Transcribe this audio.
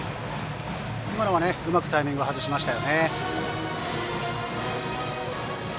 今のはうまくタイミングを外しました。